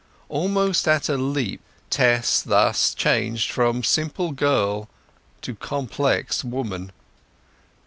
Almost at a leap Tess thus changed from simple girl to complex woman.